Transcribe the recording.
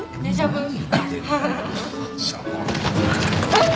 ・えっ？